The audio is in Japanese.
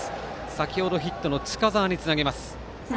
先ほどヒットの近澤につなげます。